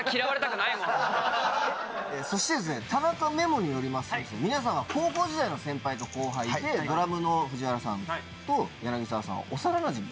そして田中ＭＥＭＯによりますと皆さんは高校時代の先輩と後輩でドラムの藤原さんと柳沢さんは幼なじみ。